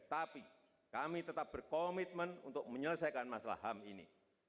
tapi kami tetap berkomitmen untuk menyelesaikan masalah ham ini